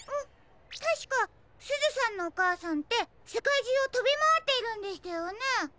たしかすずさんのおかあさんってせかいじゅうをとびまわっているんでしたよね？